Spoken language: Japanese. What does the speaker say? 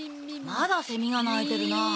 まだセミが鳴いてるなあ。